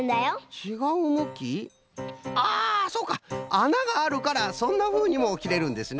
あながあるからそんなふうにもきれるんですね！